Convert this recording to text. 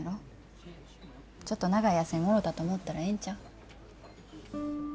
ちょっと長い休みもろたと思ったらええんちゃう？